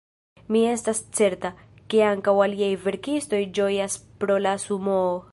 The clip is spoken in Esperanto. Mi estas certa, ke ankaŭ aliaj verkistoj ĝojas pro la Sumoo.